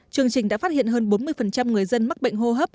chương trình đã phát hiện hơn bốn mươi người dân mắc bệnh hô hấp